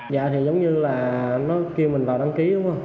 dạ thì giống như là nó kêu mình vào đăng ký luôn